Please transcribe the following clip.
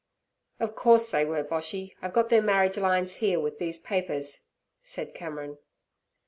'Of course they were, Boshy. I've got their marriage lines here with these papers' said Cameron.